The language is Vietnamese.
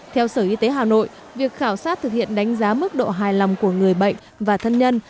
theo sở y tế hà nội việc khảo sát thực hiện đánh giá mức độ hài lòng của người bệnh và thân nhân